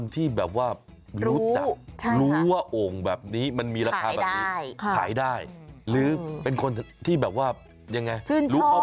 แต่ผมว่านะคือโอ่งใบนี้มันมีราคาถูกไหม